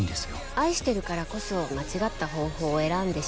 愛してるからこそ間違った方法を選んでしまうんじゃないかって。